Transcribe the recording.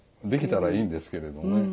できたらいいんですけれどね。